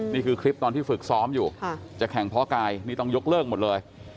นี่คือคลิปตอนที่ฝึกซ้อมอยู่จะแข่งเพราะกายนี่ต้องยกเลิกหมดเลย